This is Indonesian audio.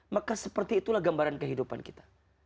maka seperti itulah gambaran kehidupan kita